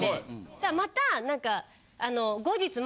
したらまたなんか。